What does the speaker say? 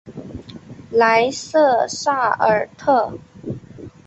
莱瑟萨尔特。